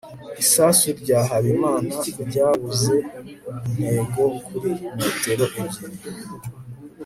isasu rya habimana ryabuze intego kuri metero ebyiri